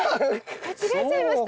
間違えちゃいました？